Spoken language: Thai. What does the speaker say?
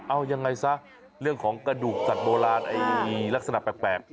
เอายังไงซะเรื่องของกระดูกสัตว์โบราณลักษณะแปลก